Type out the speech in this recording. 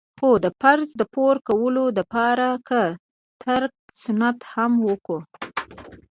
خو د فرض د پوره کولو د پاره که ترک سنت هم وکو.